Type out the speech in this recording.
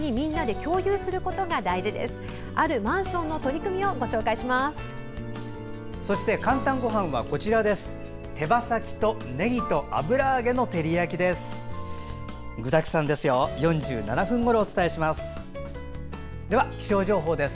そして「かんたんごはん」は手羽先とねぎと油揚げの照り焼きです。